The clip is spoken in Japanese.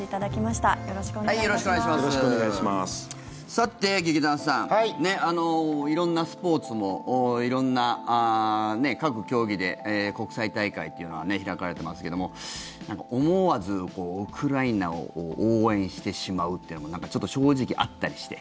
さて、劇団さん色んなスポーツも色んな各競技で国際大会というのは開かれてますけども思わずウクライナを応援してしまうというのもなんかちょっと正直あったりして。